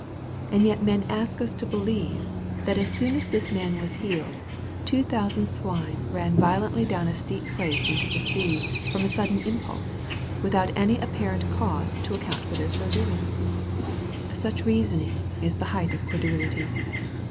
And yet men ask us to believe, that as soon as this man was healed, two thousand swine ran violently down a steep place into the sea, from a sudden impulse, without any apparent cause to account for their so doing ! Such, reasoning is the height of credulity.